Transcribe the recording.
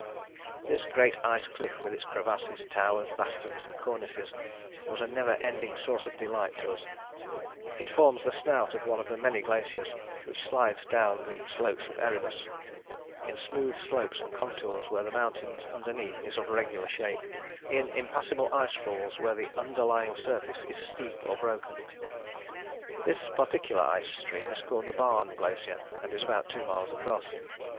This great ice cliff with its crevasses, towers, bastions and cornices, was a never ending source of delight to us; it forms the snout of one of the many glaciers which slide down the slopes of Erebus: in smooth slopes and contours where the mountain underneath is of regular shape: in impassable icefalls where the underlying surface is steep or broken. This particular ice stream is called the Barne Glacier, and is about two miles across.